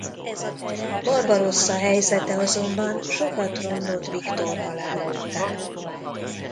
Barbarossa helyzete azonban sokat romlott Viktor halála után.